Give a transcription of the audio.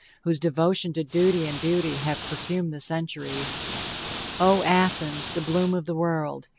whose devotion to duty and beauty have perfumed the centuries! O, Athens, the bloom of the world!